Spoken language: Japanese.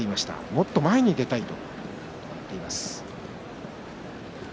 もっと前に出たいと言っています。